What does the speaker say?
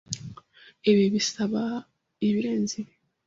Ibi bisaba ibirenze ibi.